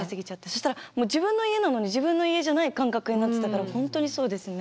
そしたら自分の家なのに自分の家じゃない感覚になってたから本当にそうですね。